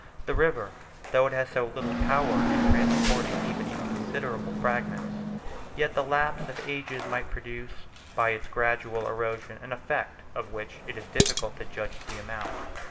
The river, though it has so little power in transporting even inconsiderable fragments, yet in the lapse of ages might produce by its gradual erosion an effect of which it is difficult to judge the amount.